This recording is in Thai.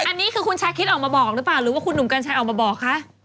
อันนี้คือคุณชาคิดออกมาบอกหรือเปล่าหรือว่าคุณหนุ่มกัญชัยออกมาบอกคะ